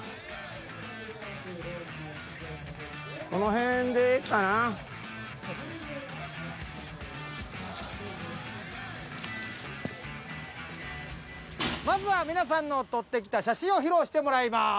何かまずは皆さんの撮ってきた写真を披露してもらいます。